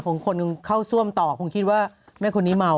ของคนเข้าซ่วมต่อคงคิดว่าแม่คนนี้เมา